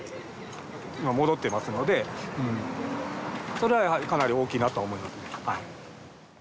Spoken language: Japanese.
それはやはりかなり大きいなと思いますね。